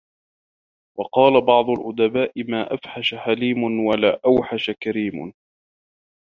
وَقَالَ بَعْضُ الْأُدَبَاءِ مَا أَفْحَشَ حَلِيمٌ وَلَا أَوْحَشَ كَرِيمٌ